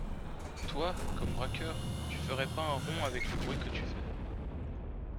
Toi, comme braqueur, tu ferais pas un rond avec le bruit que tu fais.